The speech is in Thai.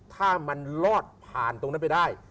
ถ้ามันลอดผ่านตรงนั้นไปได้